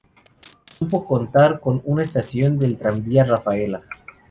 Supo contar con una estación del tranvía a Rafaela.